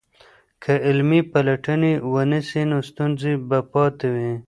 که عملي پلټنې ونه سي نو ستونزې به پاتې وي.